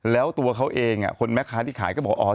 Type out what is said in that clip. แล้วตัวเขาเองคนแม่ค้าที่ขายก็บอกอ๋อ